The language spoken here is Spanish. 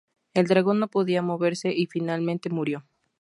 El dragón no podía moverse, y finalmente murió.